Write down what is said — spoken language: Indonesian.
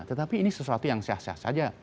tetapi ini sesuatu yang sia sia saja